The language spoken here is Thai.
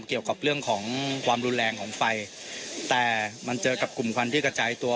เกี่ยวกับเรื่องของความรุนแรงของไฟแต่มันเจอกับกลุ่มควันที่กระจายตัว